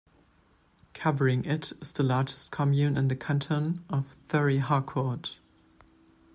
Covering it is the largest commune in the canton of Thury-Harcourt.